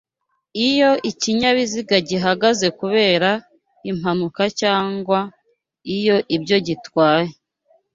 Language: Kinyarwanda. Iyo ikinyabiziga gihagaze kubera impanuka cyangwa iyo ibyo gitwaye